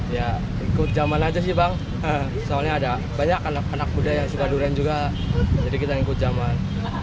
ya ikut zaman aja sih bang soalnya ada banyak anak anak muda yang suka durian juga jadi kita ikut zaman